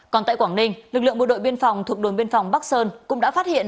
còn tại quảng ninh lực lượng bộ đội biên phòng thuộc đồn biên phòng bắc sơn cũng đã phát hiện